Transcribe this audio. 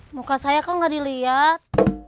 muka saya kok gak dilihat